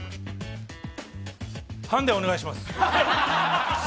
ハンデお願いします。